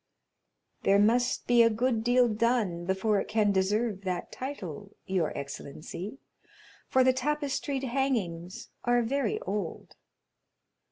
"There must be a good deal done before it can deserve that title, your excellency, for the tapestried hangings are very old."